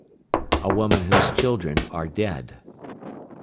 A woman whose children are dead.